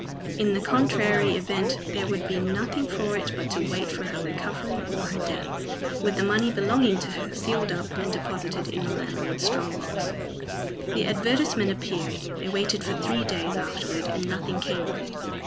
In the contrary event there would be nothing for it but to wait for her recovery or her death with the money belonging to her sealed up, and deposited in the landlord's strongbox. The advertisement appeared. They waited for three days afterward, and nothing came of it.